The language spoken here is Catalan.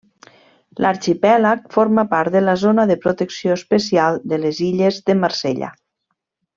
L'arxipèlag forma part de la zona de protecció especial de les illes de Marsella.